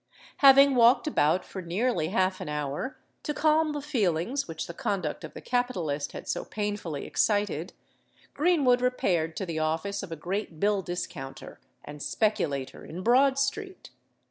Having walked about for nearly half an hour, to calm the feelings which the conduct of the capitalist had so painfully excited, Greenwood repaired to the office of a great bill discounter and speculator in Broad Street.